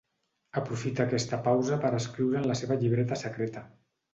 Aprofita aquesta pausa per escriure en la seva llibreta secreta.